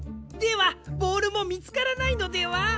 ではボールもみつからないのでは？